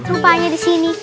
rupanya di sini